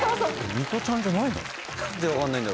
ミトちゃんじゃないんだ。